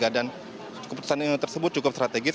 dan keputusan ini tersebut cukup strategis